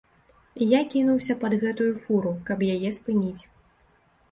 Я кінуўся пад гэтую фуру, каб яе спыніць.